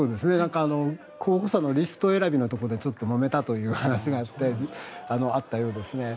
候補者のリスト選びのところでもめたという話があったようですね。